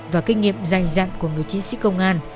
và kinh nghiệm dài dặn của người chỉ sĩ công an